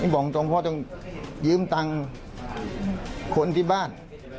บอกตรงพ่อต้องยืมตังค์คนที่บ้าน